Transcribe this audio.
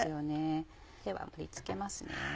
では盛り付けますね。